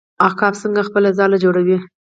عقاب څنګه خپله ځاله جوړوي؟